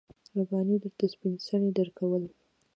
رباني درته سپين څڼې درکول.